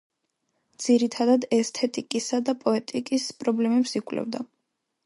ძირითადად ესთეტიკისა და პოეტიკის პრობლემებს იკვლევდა.